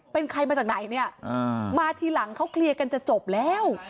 เป็นใครมาจากไหนเนี่ยมาทีหลังเขาเคลียร์กันจะจบแล้ว